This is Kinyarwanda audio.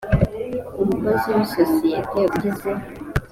umukozi w isosiyete ugize